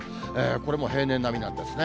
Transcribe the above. これも平年並みなんですね。